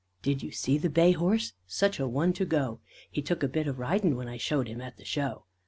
Did you see the bay horse? Such a one to go! He took a bit of ridin', When I showed him at the Show.